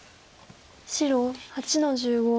白８の十五。